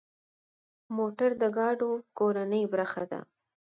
موټر د ګاډو کورنۍ برخه ده.